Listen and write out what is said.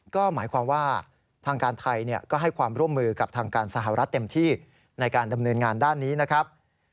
ก็หมายความว่าทางการไทยก็ให้ความร่วมมือกับทางการสหรัฐเต็มที่ในการดำเนินงานด้านนี้นะครับ